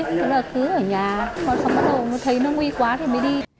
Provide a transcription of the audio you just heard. thế là cứ ở nhà xong rồi thấy nó nguy quá thì mới đi